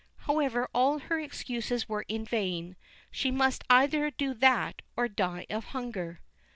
However, all her excuses were in vain; she must either do that or die of hunger.